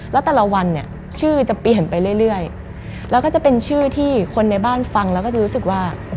แล้วแต่ละวันเนี่ยชื่อจะเปลี่ยนไปเรื่อยแล้วก็จะเป็นชื่อที่คนในบ้านฟังแล้วก็จะรู้สึกว่า